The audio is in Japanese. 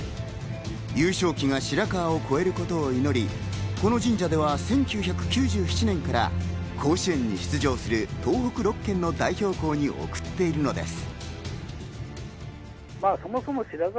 優勝旗が白河を越えることを願い、この神社では１９９７年から甲子園に出場する東北６県の代表校に送っているのです。